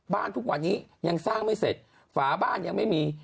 ทุกวันนี้ยังสร้างไม่เสร็จฝาบ้านยังไม่มี